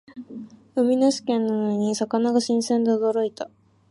海なし県なのに魚が新鮮で驚いた